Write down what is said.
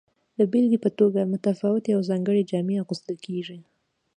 د بیلګې په توګه متفاوتې او ځانګړې جامې اغوستل کیږي.